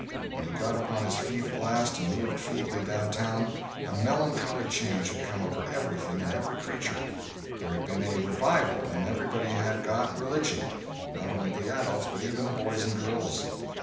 When he got upon his feet at last and moved feebly downtown, a melancholy change had come over everything and every creature. There had been a "revival," and everybody had "got religion," not only the adults, but even the boys and girls.